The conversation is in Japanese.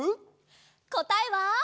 こたえは。